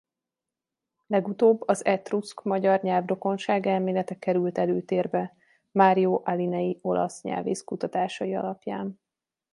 Legutóbb az etruszk–magyar nyelvrokonság elmélete került előtérbe Mario Alinei olasz nyelvész kutatásai alapján.